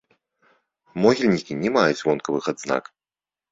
Могільнікі не маюць вонкавых адзнак.